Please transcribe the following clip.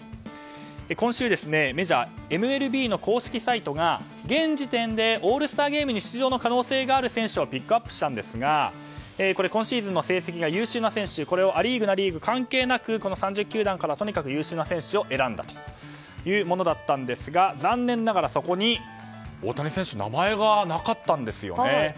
今週、メジャーＭＬＢの公式サイトが現時点でオールスターゲームに出場の可能性がある選手をピックアップしたんですが今シーズンの成績が優秀な選手ア・リーグ、ナ・リーグ関係なくこの３０球団からとにかく優秀な選手を選んだというものだったんですが残念ながらそこに、大谷選手の名前がなかったんですよね。